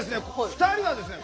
２人はですね